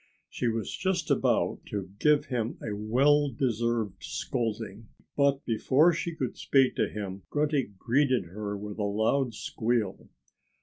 She was just about to give him a well deserved scolding. But before she could speak to him, Grunty greeted her with a loud squeal.